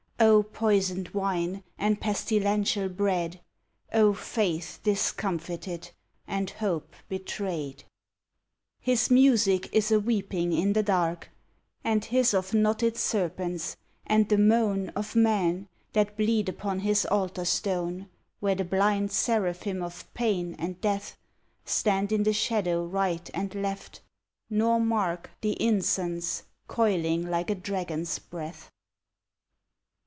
O poisoned wine and pestilential bread ! O faith discomfited and hope betrayed! His music is a weeping in the dark, And hiss of knotted serpents, and the moan Of men that bleed upon his altar stone, Where the blind seraphim of Pain and Death Stand in the shadow right and left, nor mark The incense coiling like a dragon s breath.